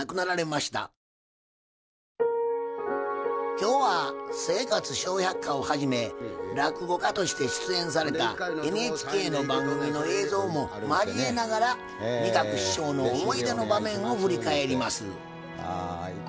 今日は「生活笑百科」をはじめ落語家として出演されたＮＨＫの番組の映像も交えながら仁鶴師匠の思い出の場面を振り返ります。